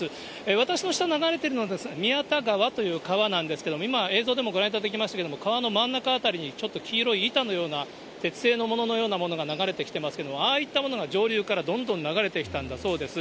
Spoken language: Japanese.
私の下、流れてるのは、みやた川という川なんですけれども、今、映像でもご覧いただきましたけども、川の真ん中辺りに、ちょっと黄色い板のような鉄製のもののようなものが流れてきてますけれども、ああいったものが上流からどんどん流れてきたんだそうです。